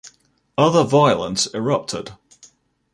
Other violence erupted.